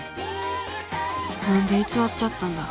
何で偽っちゃったんだろう。